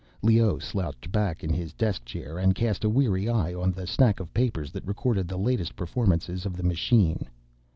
Leoh slouched back in his desk chair and cast a weary eye on the stack of papers that recorded the latest performances of the machine.